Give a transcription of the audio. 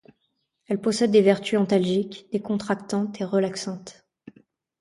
Elles possèdent des vertus antalgiques, décontractantes et relaxantes.